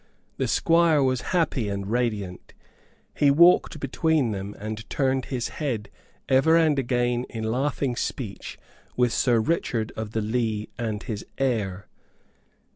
The Squire was happy and radiant. He walked between them, and turned his head ever and again in laughing speech with Sir Richard of the Lee and his heir.